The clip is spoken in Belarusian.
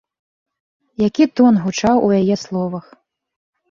Які тон гучаў у яе словах!